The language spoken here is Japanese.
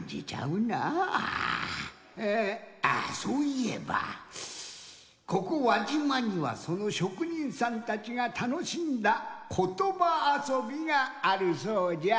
えぇあそういえばここ輪島にはそのしょくにんさんたちがたのしんだことばあそびがあるそうじゃ。